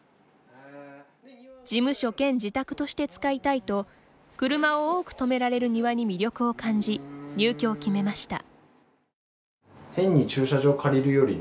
事務所兼自宅として使いたいと車を多くとめられる庭に魅力を感じ入居を決めました。